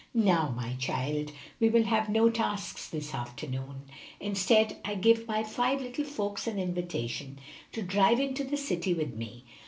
"Now, my child; we will have no tasks this afternoon. Instead, I give my five little folks an invitation to drive into the city with me.